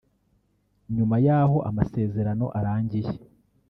“nyuma y’aho amasezerano arangiye